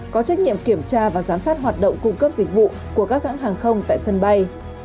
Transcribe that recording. có trách nhiệm kiểm tra và giám sát hoạt động cung cấp dịch vụ của các hãng hàng không tại sân bay